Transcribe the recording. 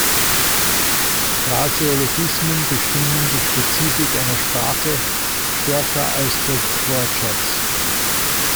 Phraseologismen bestimmen die Spezifik einer Sprache stärker als der Wortschatz.